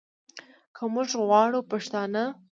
که موږ غواړو پښتانه